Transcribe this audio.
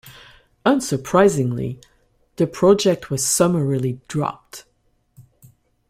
Unsurprisingly, the project was summarily dropped.